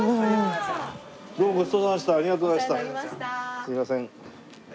すいません。